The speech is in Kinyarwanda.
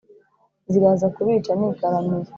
ziraza kubica nigaramiye.